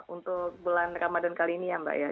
untuk bulan ramadhan kali ini ya mbak ya